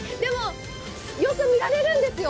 よく見られるんですよ。